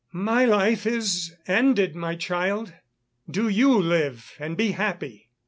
"My life is ended, my child. Do you live and be happy."